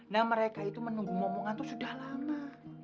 nah mereka itu menunggu momongan itu sudah lama